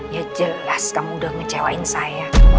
ya jelas kamu udah ngecewain saya